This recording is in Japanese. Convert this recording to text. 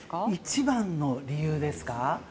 一番の理由ですか。